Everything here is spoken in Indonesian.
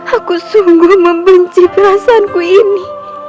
aku sungguh membenci perasaanku ini